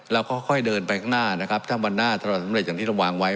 เราก็ค่อยเดินไปข้างหน้านะครับถ้าวันหน้าถ้าเราสำเร็จอย่างที่เราวางไว้